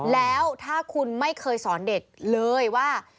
แล้วถ้าคุณไม่เคยสอนเด็กเลยว่า